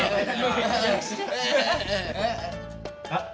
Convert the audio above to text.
あっ。